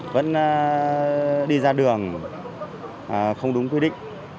vẫn đi ra đường không đúng quy định